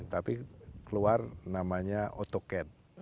tapi keluar namanya autocad